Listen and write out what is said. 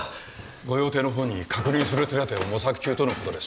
御用邸のほうに確認する手立てを模索中とのことです